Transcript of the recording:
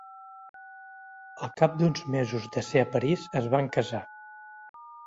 Al cap d’uns mesos de ser a París es van casar.